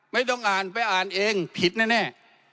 ไม่ต้องอ่านไปอ่านเองผิดแน่